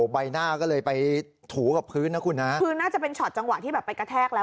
ใบหน้าก็เลยไปถูกับพื้นนะคุณฮะคือน่าจะเป็นช็อตจังหวะที่แบบไปกระแทกแล้ว